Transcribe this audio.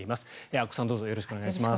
阿古さんどうぞよろしくお願いします。